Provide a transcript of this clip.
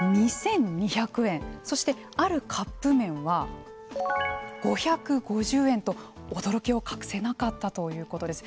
そして、あるカップ麺は５５０円と驚きを隠せなかったということです。